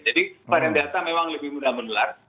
jadi varian delta memang lebih mudah menular